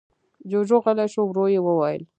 جُوجُو غلی شو. ورو يې وويل: